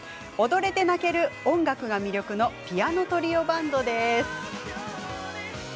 踊れて泣ける音楽が魅力のピアノ・トリオバンドです。